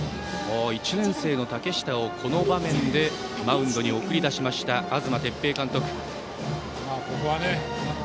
１年生の竹下を、この場面でマウンドに送り出しました東哲平監督。